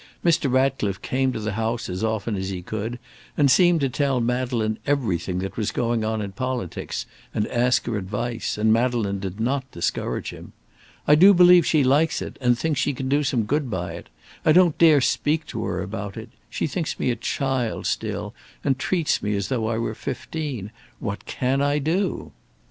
Mr. Ratcliffe came to the house as often as he could, and seemed to tell Madeleine everything that was going on in politics, and ask her advice, and Madeleine did not discourage him. "I do believe she likes it, and thinks she can do some good by it. I don't dare speak to her about it. She thinks me a child still, and treats me as though I were fifteen. What can I do?"